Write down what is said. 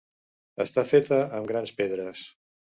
Està feta amb grans pedres.